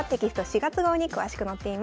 ４月号に詳しく載っています。